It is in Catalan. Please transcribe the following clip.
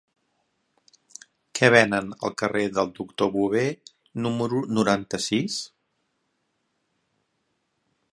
Què venen al carrer del Doctor Bové número noranta-sis?